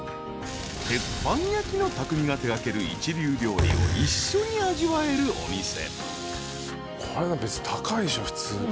［鉄板焼きの匠が手掛ける一流料理を一緒に味わえるお店］